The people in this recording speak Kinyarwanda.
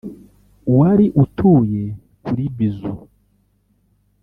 wari utuye kuri Bizu